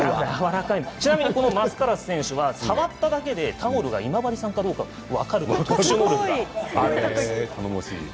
ちなみにマスカラス選手が触っただけでタオルが今治産かどうか分かるそうです。